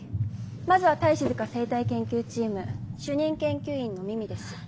まずは対しずか生態研究チーム主任研究員のミミです。